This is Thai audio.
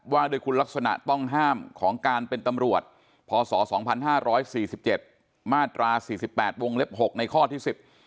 ว่าโดยคุณลักษณะต้องห้ามของการเป็นตำรวจพศ๒๕๔๗มาตรา๔๘วงเล็บ๖ในข้อที่๑๐